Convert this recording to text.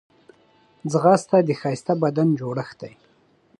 ځغاسته د ښه بدن جوړښت دی